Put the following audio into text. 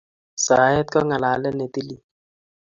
Saet ko ng'alalet ne tilil